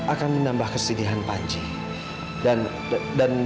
akan menambahkanmu dengan kebenaran yang terakhir